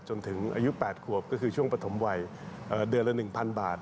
จนถึงอายุ๘ขวบก็คือช่วงปฐมวัยเดือนละ๑๐๐บาท